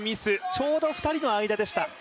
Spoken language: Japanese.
ちょうど２人の間でした。